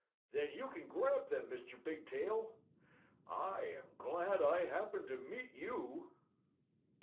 Then you can grab them, Mr. Bigtail! I am glad I happened to meet you!"